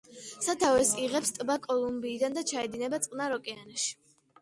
სათავეს იღებს ტბა კოლუმბიიდან და ჩაედინება წყნარი ოკეანეში.